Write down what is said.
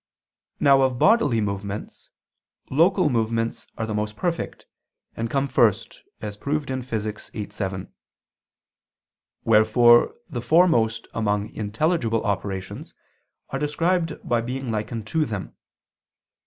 Now of bodily movements, local movements are the most perfect and come first, as proved in Phys. viii, 7; wherefore the foremost among intelligible operations are described by being likened to them.